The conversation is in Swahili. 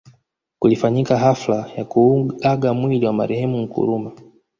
Kulifanyika hafla ya kuuaga mwili wa marehemu Nkrumah